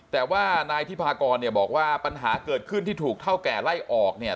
แต่ว่านายที่พากรเนี่ยบอกว่าปัญหาเกิดขึ้นที่ถูกเท่าแก่ไล่ออกเนี่ย